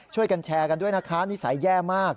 ช่วยกันแชร์กันด้วยนะคะนิสัยแย่มาก